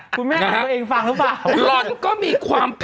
คุณแม่อ่านตัวเองฟังหรือเปล่า